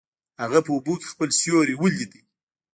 هغه په اوبو کې خپل سیوری ولید.